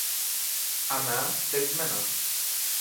ئەمە دەگمەنە.